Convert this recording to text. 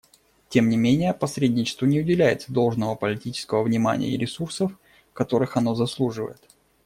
Тем не менее посредничеству не уделяется должного политического внимания и ресурсов, которых оно заслуживает.